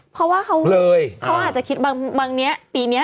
พอว่าเขาเบลยเขาอาจจะคิดบางปีนี้